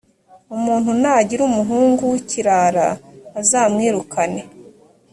umuntu nagira umuhungu w’ikirara azamwirukane